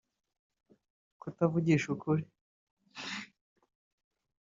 kutavugisha ukuri